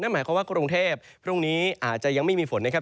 หมายความว่ากรุงเทพพรุ่งนี้อาจจะยังไม่มีฝนนะครับ